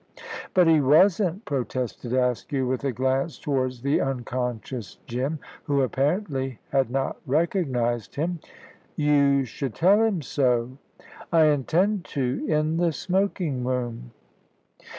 "But he wasn't," protested Askew, with a glance towards the unconscious Jim, who apparently had not recognised him. "You should tell him so." "I intend to in the smoking room."